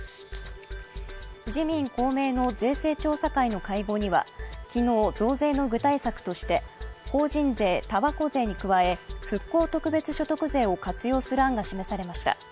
自民・公明の税制調査会の会合には昨日、増税の具体策として法人税、たばこ税に加え復興特別所得税を活用する案が示されました。